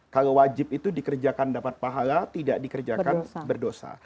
kalau wajib itu dikerjakan dapat pahala tidak dikerjakan berdosa